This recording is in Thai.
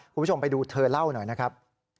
คุณผู้ชมไปดูเธอเล่าหน่อยนะครับ